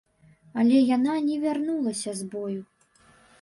Але яна не вярнулася з бою.